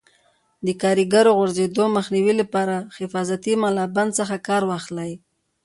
د کاریګرو د غورځېدو مخنیوي لپاره حفاظتي ملابند څخه کار واخلئ.